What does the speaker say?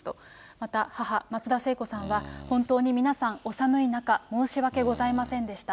また母、松田聖子さんは、本当に皆さん、お寒い中、申し訳ございませんでした。